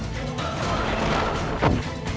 tidak ada disini